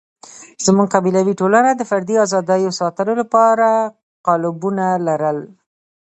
زموږ قبیلوي ټولنه د فردي آزادیو ساتلو لپاره قالبونه لرل.